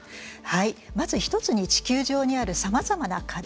まず１つに地球上にあるさまざまな課題